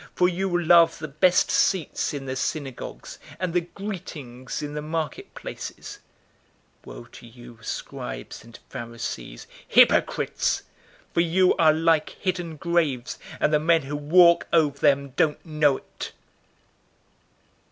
For you love the best seats in the synagogues, and the greetings in the marketplaces. 011:044 Woe to you, scribes and Pharisees, hypocrites! For you are like hidden graves, and the men who walk over them don't know it."